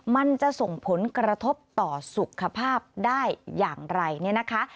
มันจะส่งผลกระทบต่อสุขภาพได้อย่างไรเนี่ยนะคะ